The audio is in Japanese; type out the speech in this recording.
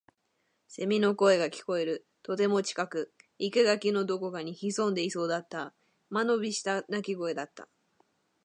蝉の声が聞こえる。とても近く。生垣のどこかに潜んでいそうだった。間延びした鳴き声だった。